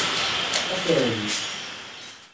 At ɛli.